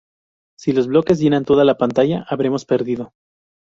Si los bloques llenan toda la pantalla habremos perdido.